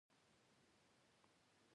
د تخه د لوییدو لپاره د انځر اوبه وڅښئ